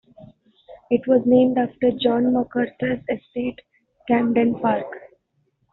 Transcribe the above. It was named after John Macarthur's estate "Camden Park".